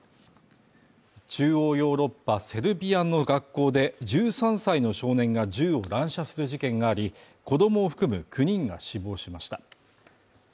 中央ヨーロッパ・セルビアの学校で１３歳の少年が銃を乱射する事件があり子供を含む９人が死亡しました。